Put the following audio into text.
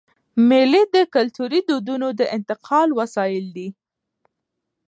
مېلې د کلتوري دودونو د انتقال وسایل دي.